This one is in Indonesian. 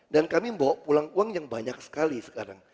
dan kami membawa pulang uang yang banyak sekali sekarang